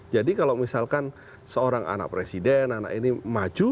jadi kalau misalkan seorang anak presiden anak ini maju